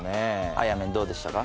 あやめんどうでしたか？